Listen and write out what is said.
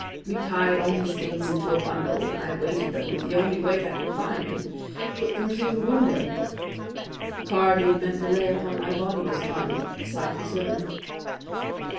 We tied all his things into a bundle, and I weighted them with the only weight I could find and put them through the window. The card he had meant to lay upon my body was lying beside his own.